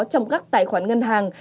trong các tài khoản ngân hàng